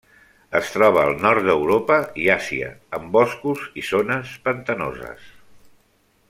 Es troba al nord d'Europa i Àsia, en boscos i zones pantanoses.